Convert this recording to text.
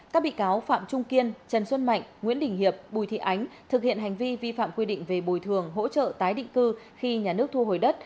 các bị cáo phạm trung kiên trần xuân mạnh nguyễn đình hiệp bùi thị ánh thực hiện hành vi vi phạm quy định về bồi thường hỗ trợ tái định cư khi nhà nước thu hồi đất